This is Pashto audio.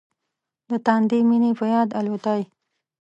د تاندې مينې په یاد الوتای